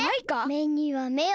めにはめを。